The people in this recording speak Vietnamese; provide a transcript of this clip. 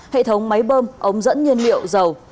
hệ thống máy bơm ống dẫn nhiên liệu dầu